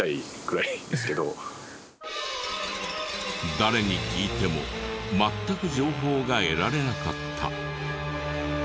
誰に聞いても全く情報が得られなかった。